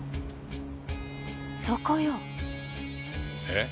そこよ。え？